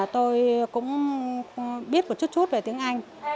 tôi cũng biết một chút chút về tiếng anh